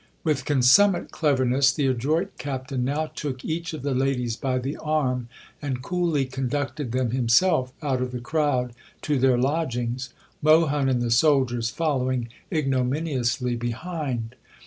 With consummate cleverness the adroit Captain now took each of the ladies by the arm and coolly conducted them himself out of the crowd to their lodgings, Mohun and the soldiers following ignominiously behind.